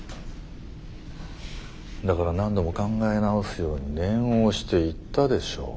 だから何度も考え直すように念を押して言ったでしょう。